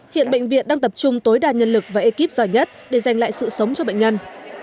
hiện bệnh viện đang tập trung tối đa nhân lực và ekip giỏi nhất để giành lại sự sống cho bệnh nhân